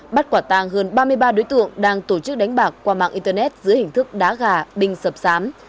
bắt quả tàng hơn ba mươi ba đối tượng đang tổ chức đánh bạc qua mạng internet giữa hình thức đá gà đinh sập sám